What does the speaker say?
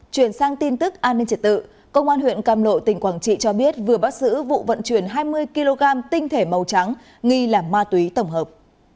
chuyển sang tin tức an ninh triệt tự công an huyện càm lộ tỉnh quảng trị cho biết vừa bắt giữ vụ vận chuyển hai mươi kg tinh thể màu trắng nghi là ma túy tổng hợp